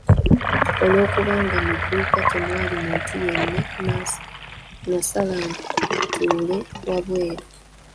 Olw'okuba nga mu dduuka temwali muntu yenna nasala ntuule wabweru.